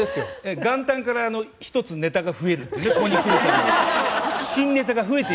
元旦から１つネタが増えるっていう。